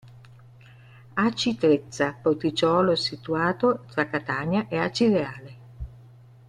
Aci Trezza, porticciolo situato tra Catania e Acireale.